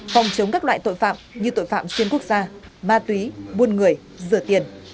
phòng chống các loại tội phạm như tội phạm xuyên quốc gia ma túy buôn người rửa tiền